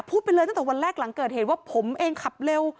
พูดไปเลยตั้งแต่วันแรกหลังเกิดเหตุว่าผมเองขับเร็ว